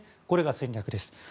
これが戦略です。